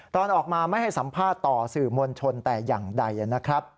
ตอนออกมาไม่ให้สัมภาษณ์ต่อสื่อมวลชนแต่อย่างใดนะครับ